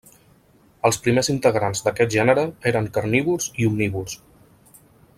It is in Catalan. Els primers integrants d'aquest gènere eren carnívors i omnívors.